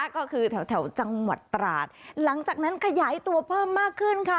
ก็คือแถวจังหวัดตราดหลังจากนั้นขยายตัวเพิ่มมากขึ้นค่ะ